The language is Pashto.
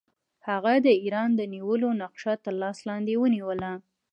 هغه د ایران د نیولو نقشه تر لاس لاندې ونیوله.